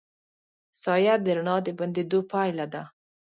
سایه د رڼا د بندېدو پایله ده.